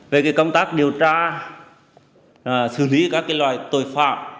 về cái công tác điều tra xử lý các cái loại tội phạm